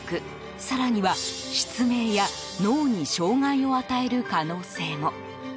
更には、失明や脳に障害を与える可能性も。